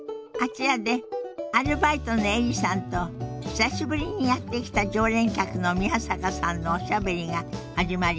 あちらでアルバイトのエリさんと久しぶりにやって来た常連客の宮坂さんのおしゃべりが始まりそうよ。